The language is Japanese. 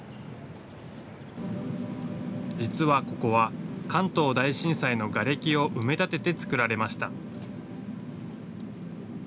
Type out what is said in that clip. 実はここは、関東大震災のがれきを埋め立てて造られました。